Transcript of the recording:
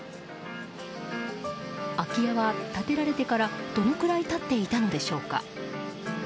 空き家は建てられてからどのぐらい経っていたのでしょうか？